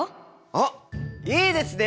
あっいいですね。